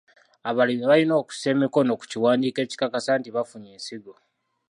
Abalimi balina okussa emikono ku kiwandiiko ekikakasa nti bafunye ensigo.